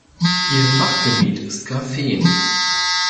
Ihr Fachgebiet ist Graphen.